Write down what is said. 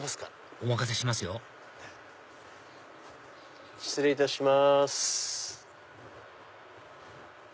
お任せしますよ失礼いたします。